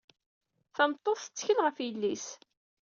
Tameṭṭut tettkel ɣef yelli-s.